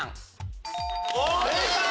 正解！